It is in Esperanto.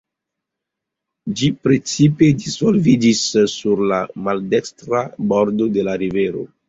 Ĝi precipe disvolviĝis sur la maldekstra bordo de la rivero.